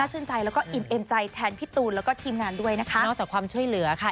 ชื่นใจแล้วก็อิ่มเอ็มใจแทนพี่ตูนแล้วก็ทีมงานด้วยนะคะนอกจากความช่วยเหลือค่ะ